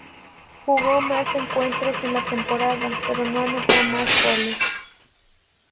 Jugó más encuentros en la temporada, pero no anotó más goles.